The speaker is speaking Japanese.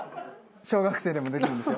小学生でもできるんですよ。